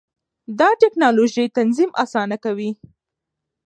دا ټېکنالوژي تنظیم اسانه کوي.